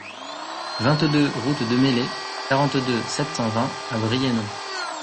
vingt-deux route de Melay, quarante-deux, sept cent vingt à Briennon